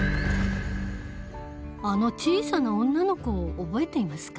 あの小さな女の子を覚えていますか？